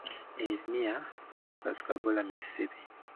It is near Pascagoula, Mississippi.